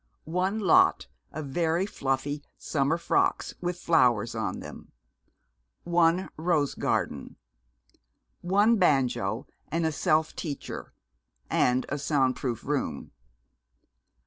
One lot of very fluffy summer frocks with flowers on them. One rose garden. One banjo and a self teacher. (And a sound proof room.)